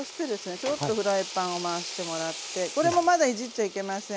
ちょっとフライパンを回してもらってこれもまだいじっちゃいけません。